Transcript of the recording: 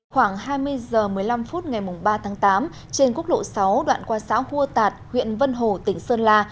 khoảng hai mươi h một mươi năm phút ngày ba tháng tám trên quốc lộ sáu đoạn qua xã hua tạt huyện vân hồ tỉnh sơn la